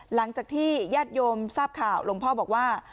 หลังจากที่ญาติโยมทราบข่าวหลวงพ่อบอกว่า